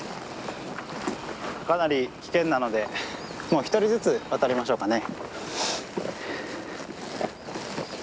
かなり危険なのでもう１人ずつ渡りましょうかね。